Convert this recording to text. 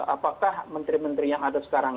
apakah menteri menteri yang ada sekarang